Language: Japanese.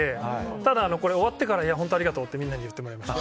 ただ、これ終わってから本当にありがとうって言ってもらえました。